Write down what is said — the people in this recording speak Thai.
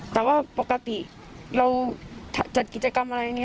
แต่ว่าปกติเราจัดกิจกรรมอะไรอย่างนี้